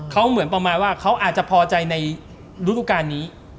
เขาเหมือนประมาณว่าเขาอาจจะพอใจในฤดูการนี้